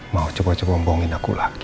mau coba coba membongin aku lagi